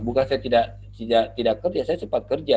bukan saya tidak kerja saya cepat kerja